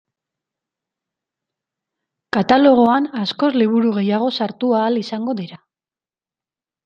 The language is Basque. Katalogoan askoz liburu gehiago sartu ahal izango dira.